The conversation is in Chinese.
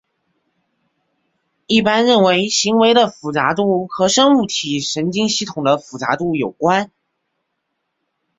一般认为行为的复杂度和生物体神经系统的复杂度有关。